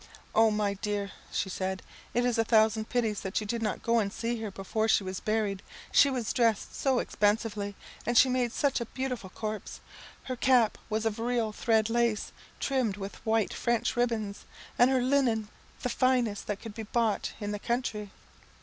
"Oh, my dear," she said, "it is a thousand pities that you did not go and see her before she was buried. She was dressed so expensively, and she made such a beautiful corpse! Her cap was of real thread lace, trimmed with white French ribbons, and her linen the finest that could be bought in the country."